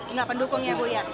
enggak pendukung ya bu ya